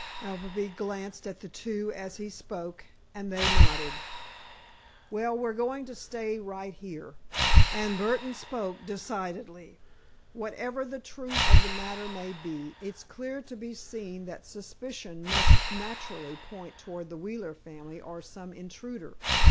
Appleby glanced at the two as he spoke, and they nodded. "Well, we're going to stay right here," and Burdon spoke decidedly. "Whatever the truth of the matter may be, it's clear to be seen that suspicion must naturally point toward the Wheeler family, or some intruder.